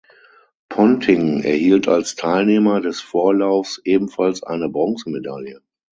Ponting erhielt als Teilnehmer des Vorlaufs ebenfalls eine Bronzemedaille.